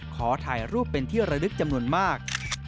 ขอถ่ายรูปเป็นที่ระลึกจำนวนมาก